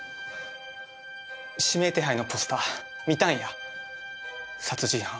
指名手配のポスター見たんや殺人犯